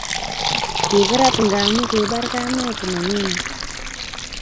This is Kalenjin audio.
Kikirat ngamu kibar kamet ne nyinet